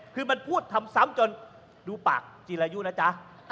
คือมันพูดทำซ้ำจนดูปากจีรายุนะจ๊ะ